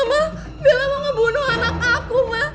mama bella mau ngebunuh anak aku ma